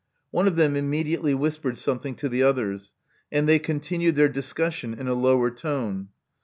One of them immediately whispered something to the others: and they continued their discussion in a lower tone.